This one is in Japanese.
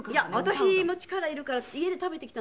私も力いるから家で食べてきたんですけど。